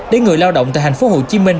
để người lao động tại thành phố hồ chí minh